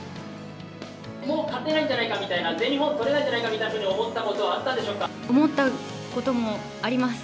もう勝てないんじゃないか、全日本取れないんじゃないかみたいに思ったことはあったんでしょ思ったこともあります。